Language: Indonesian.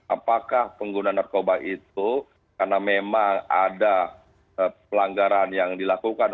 apakah pengguna narkoba itu karena memang ada pelanggaran yang dilakukan